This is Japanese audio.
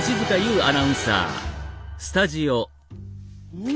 うん。